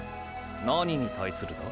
何に対するだ？